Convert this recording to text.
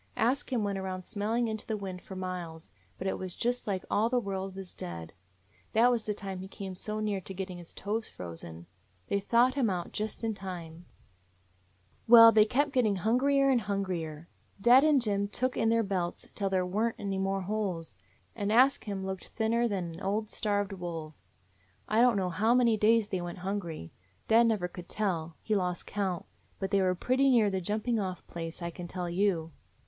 Ask Him went around smelling into the wind for miles, but it was just like all the world was dead: that was the time he came so near get ting his toes frozen. They thawed him out just in time. 207 DOG HEROES OF MANY LANDS "Well, they kept getting hungrier and hun grier. Dad and Jim took in their belts till there were n't any more holes, and Ask Him looked thinner than an old starved wolf. I don't know how many days they went hungry. Dad never could tell; he lost count: but they were pretty near the jumping off place, I can tell you."